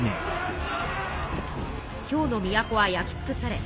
京の都は焼きつくされ